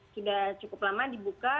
sudah cukup lama dibuka